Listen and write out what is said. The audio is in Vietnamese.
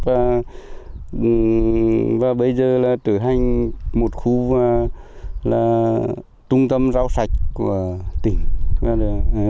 và bây giờ là tự hành một khu là trung tâm rau sạch của tỉnh